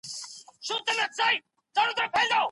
پنځمه برخه بازارموندنه ده.